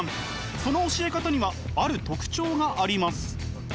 その教え方にはある特徴があります。